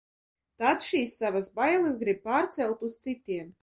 Tad šīs savas bailes grib pārcelt uz citiem.